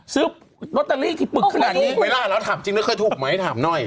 ซื้อรอเตอรี่ที่ปึกขนาดนี้ไม่รู้แล้วถามจริงแล้วเคยถูกไหมถามหน่อย